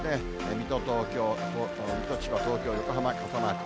水戸と東京、水戸、千葉、東京、横浜、傘マーク。